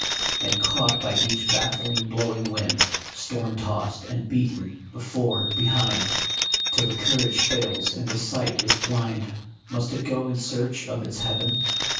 And caught by each baffling, blowing wind, Storm tossed and beaten, before, behind, Till the courage fails and the sight is blind, Must it go in search of its heaven